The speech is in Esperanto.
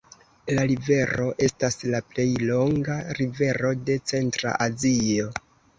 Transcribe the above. La rivero estas la plej longa rivero de Centra Azio.